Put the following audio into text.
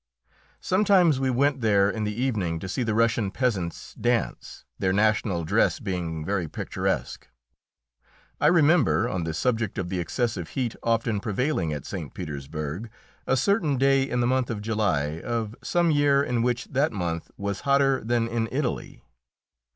Sometimes we went there in the evening to see the Russian peasants dance, their national dress being very picturesque. I remember, on the subject of the excessive heat often prevailing at St. Petersburg, a certain day in the month of July of some year in which that month was hotter than in Italy.